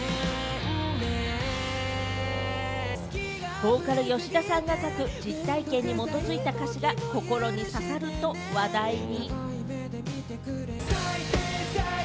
ボーカル・吉田さんが書く実体験に基づいた歌詞が心に刺さると話題に。